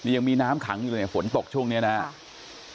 ยังมีน้ำขังอยู่เลยเนี่ยฝนตกช่วงนี้นะครับ